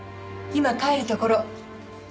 今帰るところ。